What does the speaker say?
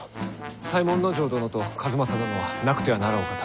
左衛門尉殿と数正殿はなくてはならんお方。